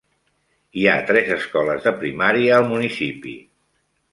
Hi ha tres escoles de primària al municipi.